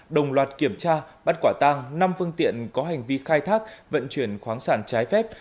đồng loạt kiểm tra bắt quả tăng năm phương tiện có hành vi khai thác vận chuyển khoáng sản trái phép